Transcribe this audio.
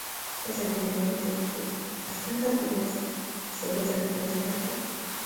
堪萨斯影评人协会奖最佳男主角是堪萨斯影评人协会奖的主要奖项之一。